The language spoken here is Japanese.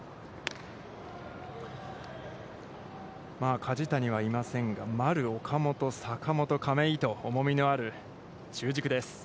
梶谷はいませんが、丸、岡本、坂本、亀井と重みのある中軸です。